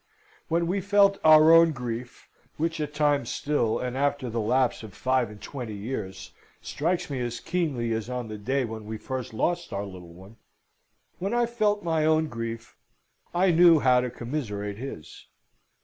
When we felt our own grief (which at times still, and after the lapse of five and twenty years, strikes me as keenly as on the day when we first lost our little one) when I felt my own grief, I knew how to commiserate his.